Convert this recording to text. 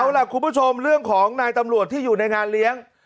เอาล่ะคุณผู้ชมเรื่องของนายตำรวจที่อยู่ในงานเลี้ยง